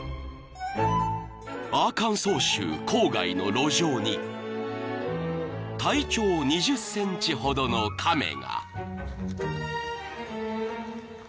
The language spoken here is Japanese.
［アーカンソー州郊外の路上に体長２０ｃｍほどの亀が］